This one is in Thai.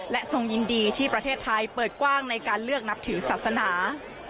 และทรงยินดีที่ประเทศไทยเปิดกว้างในการเลือกนับถือศาสนา